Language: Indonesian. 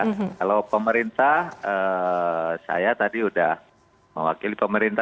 kalau pemerintah saya tadi sudah mewakili pemerintah